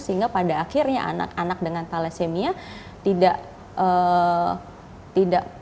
sehingga pada akhirnya anak anak dengan talasemia tidak mengalami hal hal yang tidak terlalu baik